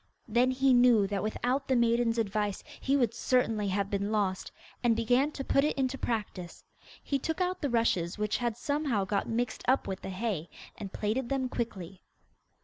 Then he knew that without the maiden's advice he would certainly have been lost, and began to put it into practice. He took out the rushes which had somehow got mixed up with the hay, and plaited them quickly.